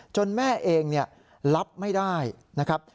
แม่เองรับไม่ได้นะครับ